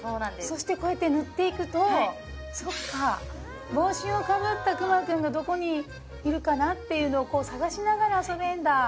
そしてこうやって塗っていくとそっかぼうしをかぶったくまくんがどこにいるかな？っていうのを探しながら遊べるんだ